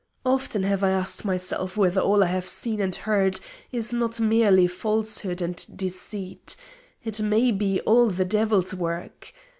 "Often have I asked myself whether all I have seen and heard is not merely falsehood and deceit. It may be all the devil's work.